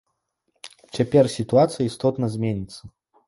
Цяпер сітуацыя істотна зменіцца.